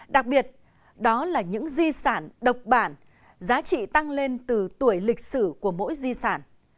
đặc biệt đó là những di sản độc bản giá trị tăng lên từ tuổi lịch sử của mỗi di sản